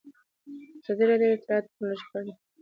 ازادي راډیو د اطلاعاتی تکنالوژي په اړه د نېکمرغۍ کیسې بیان کړې.